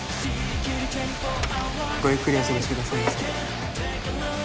ごゆっくりお過ごしくださいませ。